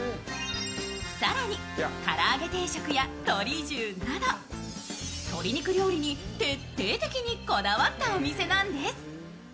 更にから揚げ定食や鶏重など鶏肉料理に、徹底的にこだわったお店なんです。